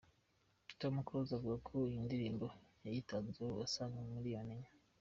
Tom Close avuga ko iyi ndirimbo yayitanzeho asaga miliyoni enye.